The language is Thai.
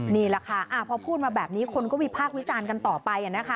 นี่แหละค่ะพอพูดมาแบบนี้คนก็วิพากษ์วิจารณ์กันต่อไปนะคะ